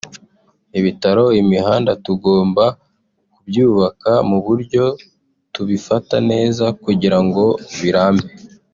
ibitaro imihanda tugomba kubyubaka mu buryo tubifata neza kugira ngo birambe